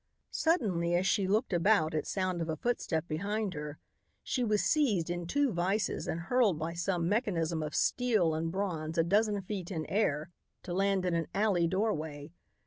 Suddenly as she looked about at sound of a footstep behind her, she was seized in two vises and hurled by some mechanism of steel and bronze a dozen feet in air, to land in an alley doorway.